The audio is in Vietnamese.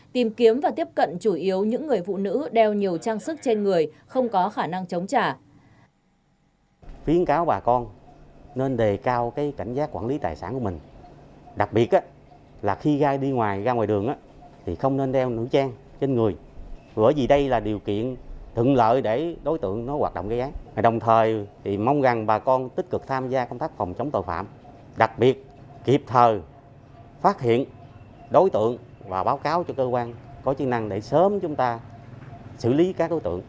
tìm kiếm và tiếp cận chủ yếu những người phụ nữ đeo nhiều trang sức trên người không có khả năng chống trả